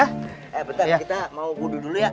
eh bentar kita mau bodo dulu ya